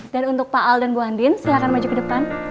dan untuk pak al dan bu andin silakan maju ke depan